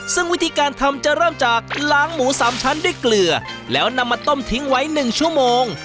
ซึ่งวิธีการทำจะเริ่มจากล้างหมูสามชั้นด้วยเกลือแล้วนำมาต้มทิ้งไว้๑ชั่วโมง